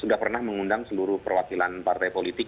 sudah pernah mengundang seluruh perwakilan partai politik